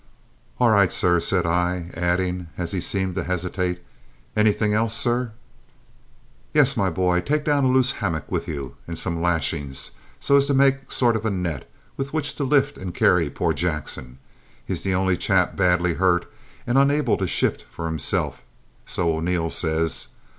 "All right, sir," said I, adding, as he seemed to hesitate, "anything else, sir?" "Yes, my boy; take down a loose hammock with you, and some lashings, so as to make a sort of net with which to lift and carry poor Jackson. He's the only chap badly hurt and unable to shift for himself, so O'Neil says.